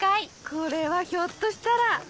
これはひょっとしたら。